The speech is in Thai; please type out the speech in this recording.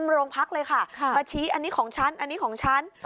รวมพักเลยค่ะมาชี้อันนี้ของฉัน